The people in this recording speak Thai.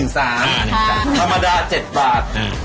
ธรรมดา๗บาท